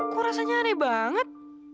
kok rasanya are banget